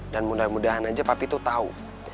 dan mudah mudahan aja papi tuh tahu